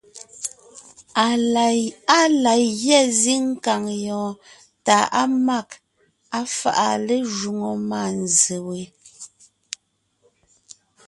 Á la gyɛ́ zíŋ kàŋ yɔɔn tà á mâg, á fáʼa lé jwoŋo mânzse we,